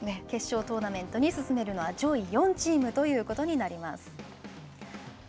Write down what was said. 決勝トーナメントに進めるのは上位４チームということになります。